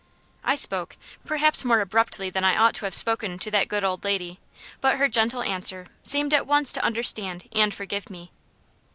I spoke perhaps more abruptly than I ought to have spoken to that good old lady but her gentle answer seemed at once to understand and forgive me.